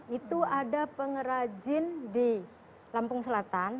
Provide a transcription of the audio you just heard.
itu ada pengrajin di lampung selatan